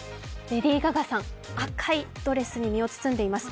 レディー・ガガさん、赤いドレスに身を包んでいます。